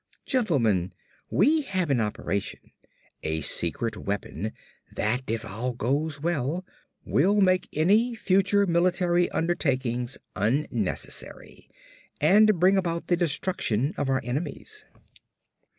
Gentlemen, we have in operation a secret weapon that, if all goes well, will make any future military undertakings unnecessary and bring about the destruction of our enemies."